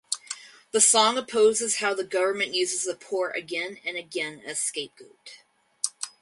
The song opposes how the government uses the poor again and again as scapegoat.